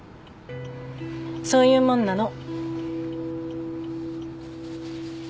そういうもんなの。